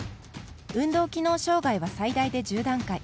運動機能障がいは最大で１０段階。